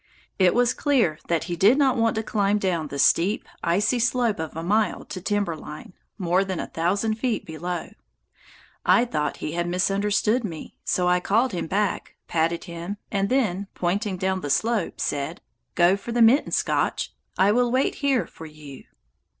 It was clear that he did not want to climb down the steep icy slope of a mile to timber line, more than a thousand feet below. I thought he had misunderstood me, so I called him back, patted him, and then, pointing down the slope, said, "Go for the mitten, Scotch; I will wait here for you."